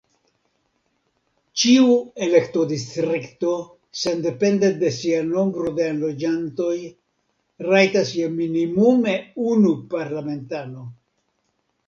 Ĉiu elektodistrikto, sendepende de sia nombro de enloĝantoj, rajtas je minimume unu parlamentano.